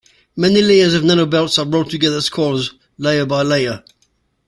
Many layers of nanobelts are rolled together as coils, layer-by-layer.